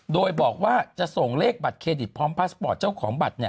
โดยบอกว่าจะส่งเลขบัตรเครดิตพร้อมพาสปอร์ตเจ้าของบัตร